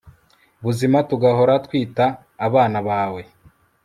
buzima, tugahora twitwa abana bawe